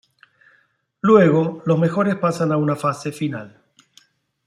Luego, los mejores pasan a una fase final.